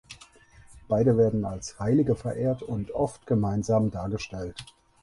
Beide werden als Heilige verehrt und oft gemeinsam dargestellt.